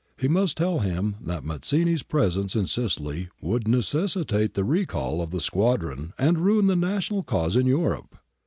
He must tell him that Mazzini's presence in Sicily would necessitate the recall of the squadron and ruin the national cause in Europe.